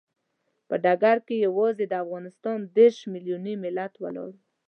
په ډګر کې یوازې د افغانستان دیرش ملیوني ملت ولاړ دی.